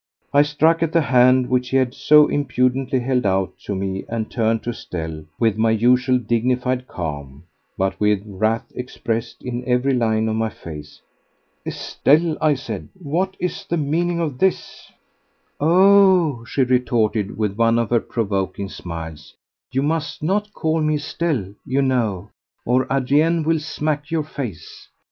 I struck at the hand which he had so impudently held out to me and turned to Estelle with my usual dignified calm, but with wrath expressed in every line of my face. "Estelle," I said, "what is the meaning of this?" "Oh," she retorted with one of her provoking smiles, "you must not call me Estelle, you know, or Adrien will smack your face.